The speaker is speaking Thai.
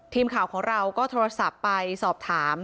ทีมข่าวของเราก็โทรศัพท์ไปสอบถาม